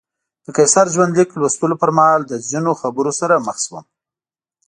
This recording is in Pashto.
د قیصر ژوندلیک لوستلو پر مهال له ځینو خبرو سره مخ شوم.